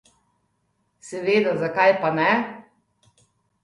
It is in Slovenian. Seveda, zakaj pa ne?